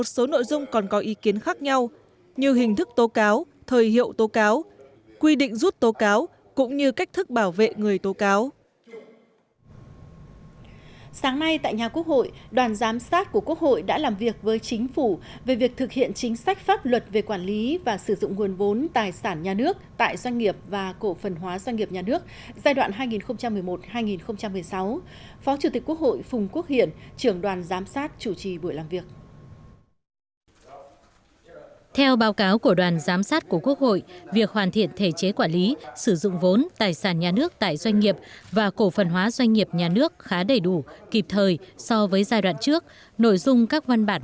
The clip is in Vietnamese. sáng nay tại nhà quốc hội đoàn giám sát của quốc hội đã làm việc với chính phủ về việc thực hiện chính sách pháp luật về quản lý và sử dụng nguồn vốn tài sản nhà nước tại doanh nghiệp và cổ phần hóa doanh nghiệp nhà nước giai đoạn hai nghìn một mươi một hai nghìn một mươi sáu